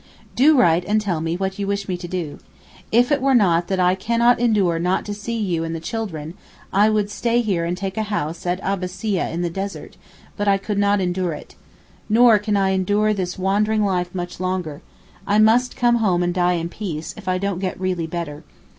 Do write and tell me what you wish me to do. If it were not that I cannot endure not to see you and the children, I would stay here and take a house at the Abbassieh in the desert; but I could not endure it. Nor can I endure this wandering life much longer. I must come home and die in peace if I don't get really better.